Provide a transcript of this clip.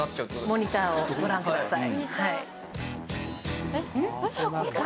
モニターをご覧ください。